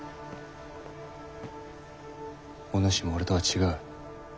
お主も俺とは違う。